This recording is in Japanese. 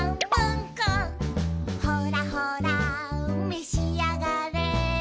「ほらほらめしあがれ」